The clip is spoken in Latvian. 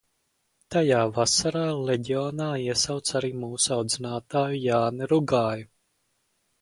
Tajā vasarā leģionā iesauca arī mūsu audzinātāju Jāni Rugāju.